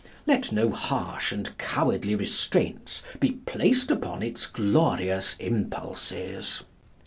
Let no harsh and cowardly restraints be placed upon its glorious impulses.